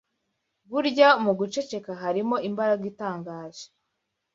Burya, mu guceceka harimo imbaraga itangaje